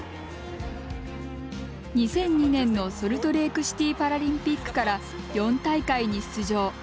２００２年のソルトレークシティーパラリンピックから４大会に出場。